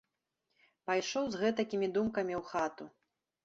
Пайшоў з гэтакімі думкамі ў хату.